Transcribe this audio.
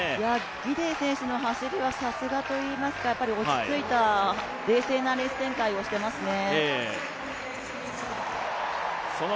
ギデイ選手の走りはさすがというか落ち着いた冷静なレース展開をしてますね。